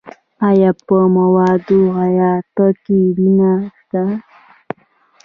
ایا په موادو غایطه کې وینه شته؟